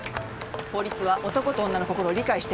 法律は男と女の心を理解してないの。